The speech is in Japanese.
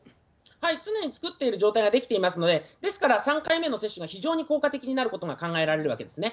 常に作っている状態が出来ていますので、ですから、３回目の接種が非常に効果的になることが考えられるわけですね。